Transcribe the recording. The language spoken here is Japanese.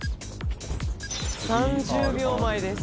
３０秒前です